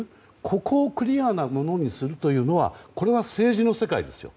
ここをクリアなものにするというのはこれは政治の世界ですよ。